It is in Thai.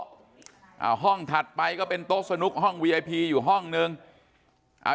อ่าห้องถัดไปก็เป็นโต๊ะสนุกห้องวีไอพีอยู่ห้องนึงอ่า